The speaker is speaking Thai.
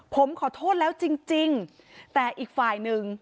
ผมขอโทษแล้วจริงแต่อีกฝ่าย๕๕๐